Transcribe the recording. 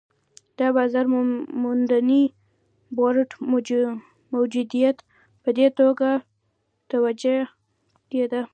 د بازار موندنې بورډ موجودیت په دې توګه توجیه کېده.